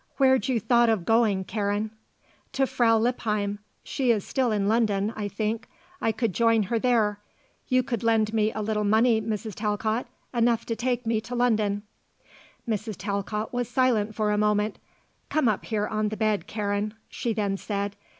Where'd you thought of going, Karen?" "To Frau Lippheim. She is still in London, I think. I could join her there. You could lend me a little money, Mrs. Talcott. Enough to take me to London." Mrs. Talcott was silent for a moment. "Come up here, on the bed, Karen," she then said.